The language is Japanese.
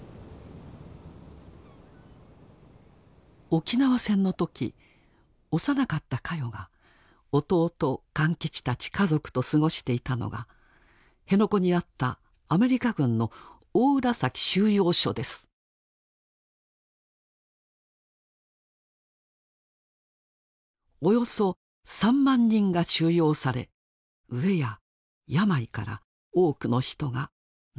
沖縄戦の時幼かったカヨが弟・勘吉たち家族と過ごしていたのが辺野古にあったアメリカ軍のおよそ３万人が収容され飢えや病から多くの人が亡くなりました。